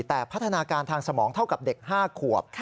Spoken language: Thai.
แต่พัฒนาการทางสมองเท่ากับเด็ก๕ขวบ